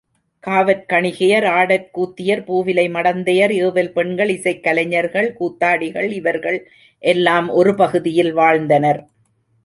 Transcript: காவற்கணிகையர், ஆடற் கூத்தியர், பூவிலை மடந்தையர், ஏவல் பெண்கள், இசைக்கலைஞர்கள், கூத்தாடிகள் இவர்கள் எல்லாம் ஒருபகுதியில் வாழ்ந்தனர்.